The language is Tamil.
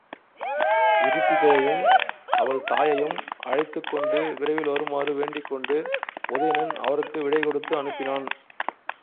விரிசிகையையும் அவள் தாயையும் அழைத்துக் கொண்டு விரைவில் வருமாறு வேண்டிக்கொண்டு, உதயணன் அவருக்கு விடைகொடுத்து அனுப்பினான்.